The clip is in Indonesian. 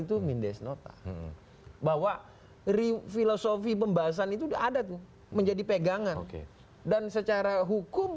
itu mindes nota bahwa ri filosofi pembahasan itu ada tuh menjadi pegangan dan secara hukum